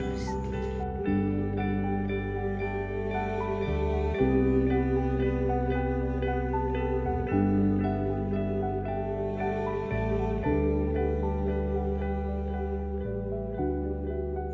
ngejagain kamu terus